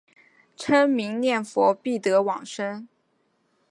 称名念佛必得往生。